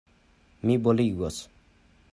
Mi boligos!